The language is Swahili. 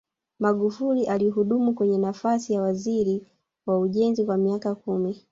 magufuli alihudumu kwenye nafasi ya uwaziri wa ujenzi kwa miaka kumi